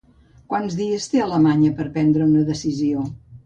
Quants dies té Alemanya per a prendre una decisió?